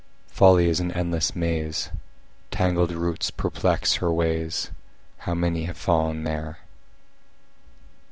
Folly is an endless maze; Tangled roots perplex her ways; How many have fallen there!